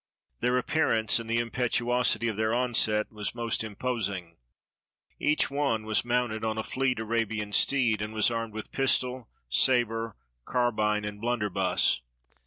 Their appearance and the impetuosity of their onset was most imposing. Each one was mounted on a fleet Arabian steed, and was armed with pistol, saber, carbine, and blunderbuss.